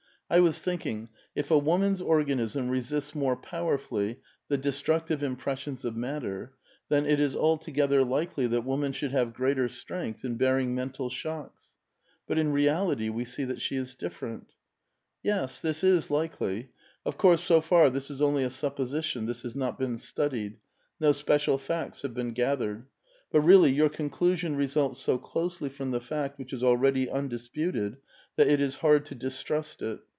I was think ing, if a woman's organism resists more powerfully the destructive impressions of matter, then it is altogether likely that woman should have greater strength in bearing mental shocks. But in reality' we see that she is different." " Yes, this is likely. Of course, so far this is only a sup position ; this has not been studied ; no special facts have been gathered. But really, your conclusion results so closel}' from the fact which is already undisputed that it is hard to distrust it.